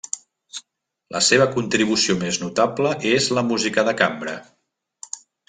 La seva contribució més notable és la música de cambra.